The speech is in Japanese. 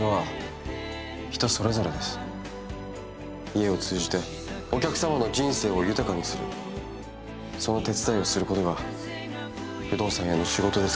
家を通じてお客様の人生を豊かにするその手伝いをすることが不動産屋の仕事ですから。